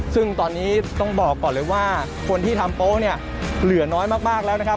ซึ่งตอนนี้ต้องบอกก่อนเลยว่าคนที่ทำโป๊ะเนี่ยเหลือน้อยมากแล้วนะครับ